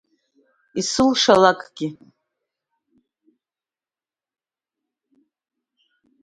Исылшалакгьы…